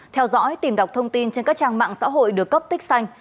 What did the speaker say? theo dõi tìm đọc thông tin trên các trang mạng xã hội được cấp tích xanh